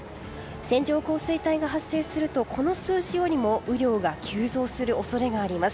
線状降水帯が発生するとこの数字よりも雨量が急増する恐れがあります。